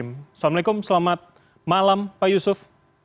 assalamualaikum selamat malam pak yusuf